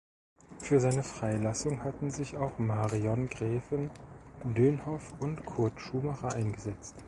Für seine Freilassung hatten sich auch Marion Gräfin Dönhoff und Kurt Schumacher eingesetzt.